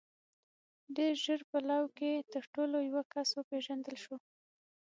• ډېر ژر په لو کې تر ټولو پوه کس وپېژندل شو.